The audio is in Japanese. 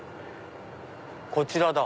こちらだ。